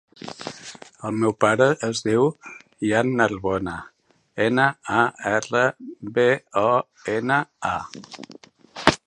El meu pare es diu Ian Narbona: ena, a, erra, be, o, ena, a.